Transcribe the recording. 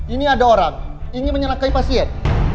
ini ada orang ini menyerangkan pasien